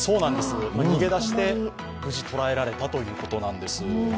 逃げ出して、無事捕らえられたということなんです。